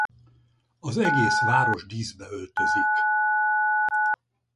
Az egész város díszbe öltözik.